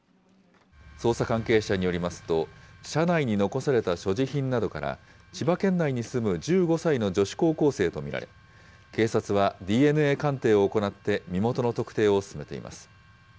捜査関係者によりますと、車内に残された所持品などから、千葉県内に住む１５歳の女子高校生と見られ、警察はＤＮＡ鑑定を行って、身元の特定を進めています。